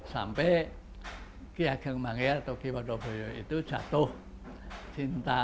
sampai ki ageng mangya atau ki wadoboyo itu jatuh cinta